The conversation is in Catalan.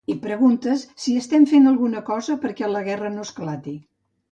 I preguntes si estem fent alguna cosa perquè la guerra no esclati.